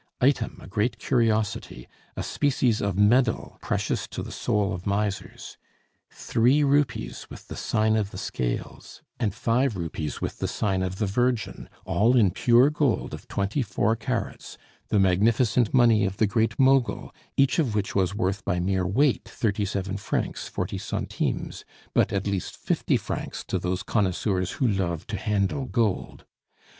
Item, a great curiosity, a species of medal precious to the soul of misers, three rupees with the sign of the Scales, and five rupees with the sign of the Virgin, all in pure gold of twenty four carats; the magnificent money of the Great Mogul, each of which was worth by mere weight thirty seven francs, forty centimes, but at least fifty francs to those connoisseurs who love to handle gold.